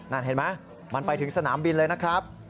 นั่นเห็นไหมมันไปถึงสนามบินเลยนะครับ